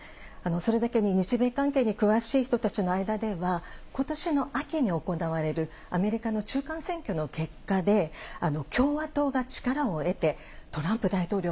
それだけに、日米関係に詳しい人たちの間では、ことしの秋に行われるアメリカの中間選挙の結果で、共和党が力を得て、トランプ大統領